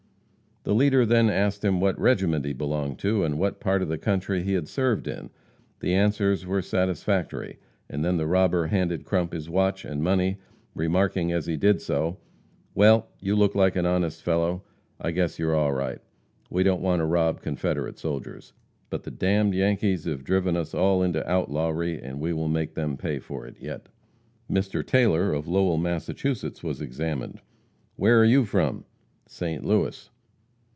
The leader then asked him what regiment he belonged to, and what part of the country he had served in. The answers were satisfactory, and then the robber handed Crump his watch and money, remarking as he did so: "Well, you look like an honest fellow. I guess you're all right. We don't want to rob Confederate soldiers. But the d d Yankees have driven us all into outlawry, and we will make them pay for it yet." Mr. Taylor, of Lowell, Mass., was examined. "Where are you from?" "St. Louis."